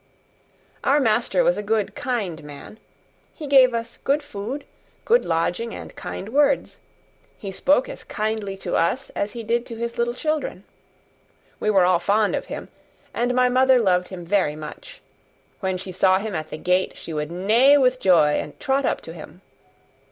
Our master was a good, kind man. He gave us good food, good lodging, and kind words; he spoke as kindly to us as he did to his little children. We were all fond of him, and my mother loved him very much. When she saw him at the gate she would neigh with joy, and trot up to him.